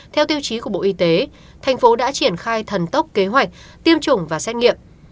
theo tiêu chí của bộ y tế thành phố đã triển khai thần tốc kế hoạch tiêm chủng và xét nghiệm